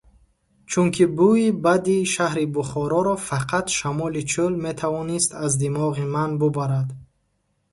Чунки бӯи бади шаҳри Бухороро фақат шамоли чӯл метавонист аз димоғи ман бубарад.